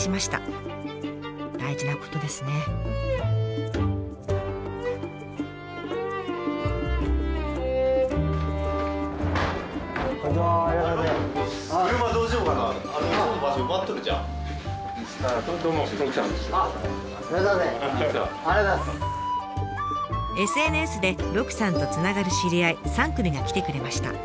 ＳＮＳで鹿さんとつながる知り合い３組が来てくれました。